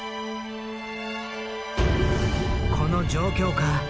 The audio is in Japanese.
この状況下